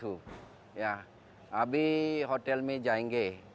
saya hotelnya jangge